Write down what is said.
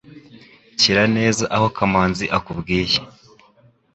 Shyira neza aho Kamanzi akubwiye.